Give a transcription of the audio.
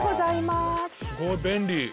すごい便利！